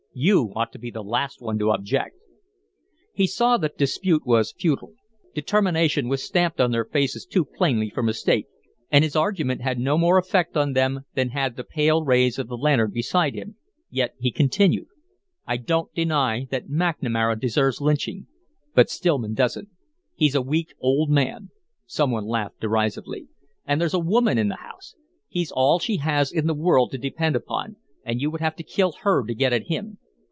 You ought to be the last one to object." He saw that dispute was futile. Determination was stamped on their faces too plainly for mistake, and his argument had no more effect on them than had the pale rays of the lantern beside him, yet he continued: "I don't deny that McNamara deserves lynching, but Stillman doesn't. He's a weak old man" some one laughed derisively "and there's a woman in the house. He's all she has in the world to depend upon, and you would have to kill her to get at him.